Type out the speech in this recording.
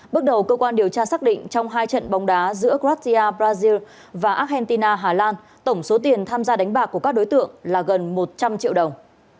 bước đầu cơ quan điều tra xác định trong hai trận bóng đá giữa grassia brazil và argentina hà lan tổng số tiền tham gia đánh bạc của các đối tượng là gần một trăm linh triệu đồng